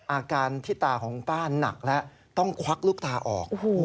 อาการที่ตาของคุณป้าหนักแล้วต้องควักลูกตาออก